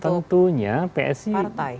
tentunya psi akan nampak ini